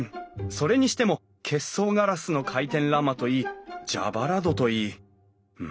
それにしても結霜ガラスの回転欄間といい蛇腹戸といいうん。